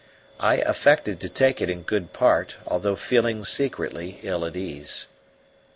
I affected to take it in good part, although feeling secretly ill at ease.